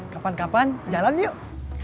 kapan kapan jalan yuk